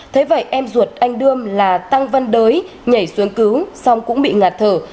thế vậy em ruột anh đưa là tăng văn đới nhảy xuống cứu xong cũng bị ngạt thở